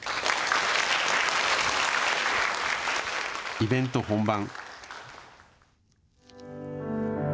イベント本番。